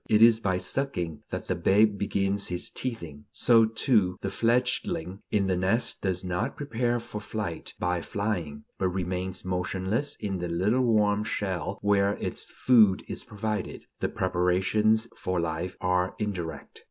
It is by sucking that the babe begins his teething. So, too, the fledgling in the nest does not prepare for flight by flying, but remains motionless in the little warm shell where its food is provided. The preparations for life are indirect.